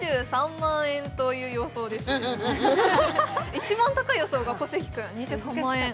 一番高い予想が小関君、２３万円。